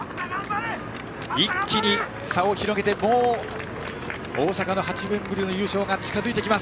一気に差を広げてもう大阪の８年ぶりの優勝が近づいてきます。